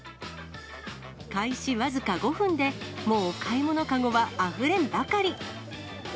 開始僅か５分で、もう買い物籠はあふれんばかり。